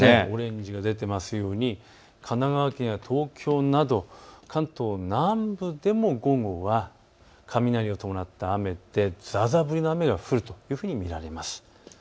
神奈川県や東京など関東南部でも午後は雷を伴った雨でざあざあ降りの雨が降るというふうに見られます。